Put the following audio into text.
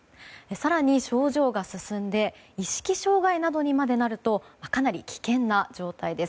更に症状が進んで意識障害などにまでなるとかなり危険な状態です。